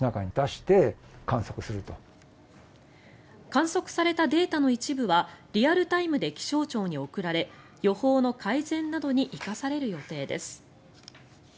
観測されたデータの一部はリアルタイムで気象庁に送られ予報の改善などに生かされる予定です。